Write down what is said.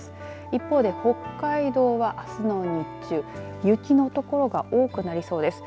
一方で北海道は、あすの日中雪の所が多くなりそうです。